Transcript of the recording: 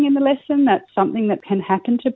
itu adalah sesuatu yang bisa terjadi kepada orang